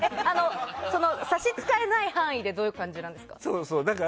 差し支えない範囲でどういう感じなんですか？